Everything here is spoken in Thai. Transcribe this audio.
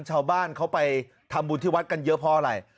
ชาวบ้านเขาไปทำบุญที่วัดกันเยอะเพราะอะไร